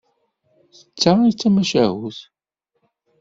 D ta i d tamacahut.